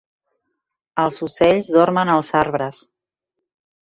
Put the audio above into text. Els ocells dormen als arbres.